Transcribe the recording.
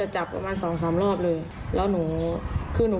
จับมือยังไงค่ะก่อนยังไงค่ะ